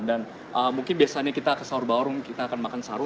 mungkin biasanya kita ke sahur bareng kita akan makan sahur